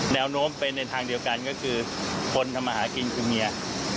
แนวโน้มไปในทางเดียวกันก็คือคนทำมาหากินคือเมีย